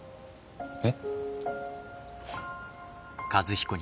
えっ？